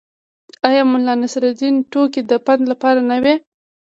آیا د ملانصرالدین ټوکې د پند لپاره نه دي؟